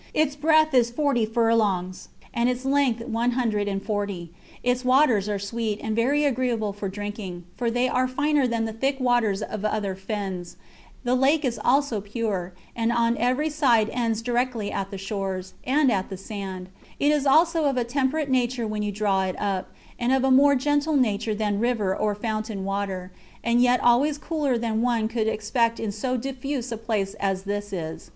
Its breadth is forty furlongs, and its length one hundred and forty; its waters are sweet, and very agreeable for drinking, for they are finer than the thick waters of other fens; the lake is also pure, and on every side ends directly at the shores, and at the sand; it is also of a temperate nature when you draw it up, and of a more gentle nature than river or fountain water, and yet always cooler than one could expect in so diffuse a place as this is.